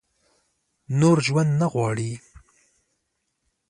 نور ژوند نه غواړي ؟